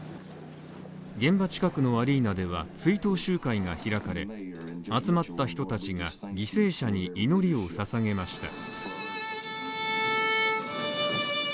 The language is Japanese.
現場近くのアリーナでは、追悼集会が開かれ、集まった人たちが犠牲者に祈りを捧げました。